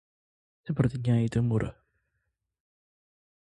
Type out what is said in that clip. Sepertinya itu murah.